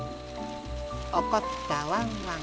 おこったワンワン